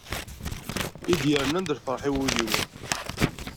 I d-yernan lferḥ i wul-iw.